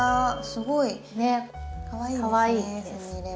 すごいかわいいですね